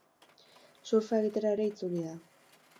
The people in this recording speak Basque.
Surfa egitera ere itzuli da.